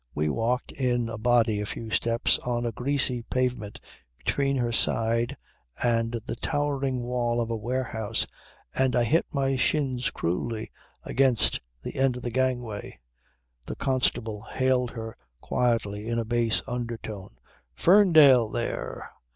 We walked in a body a few steps on a greasy pavement between her side and the towering wall of a warehouse and I hit my shins cruelly against the end of the gangway. The constable hailed her quietly in a bass undertone 'Ferndale there!'